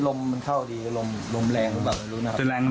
ลมมันเข้าดีลมแรงหรือเปล่าไม่รู้นะครับ